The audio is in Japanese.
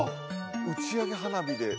打ち上げ花火で？